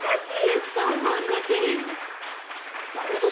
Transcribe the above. しかもこんなテレビで」